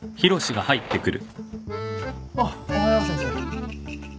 ・おうおはよう先生。